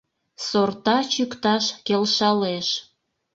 Сорта чӱкташ келшалеш;